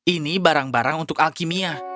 ini barang barang untuk alkimia